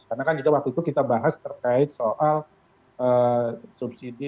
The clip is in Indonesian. karena kan kita waktu itu kita bahas terkait soal subsidi